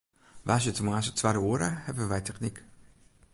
Woansdeitemoarns it twadde oere hawwe wy technyk.